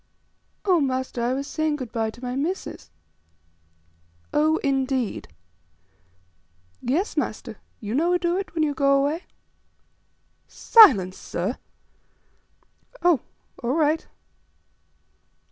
"Oh, master, I was saying good bye to my missis." "Oh, indeed?" "Yes, master; you no do it, when you go away? "Silence, sir." "Oh! all right."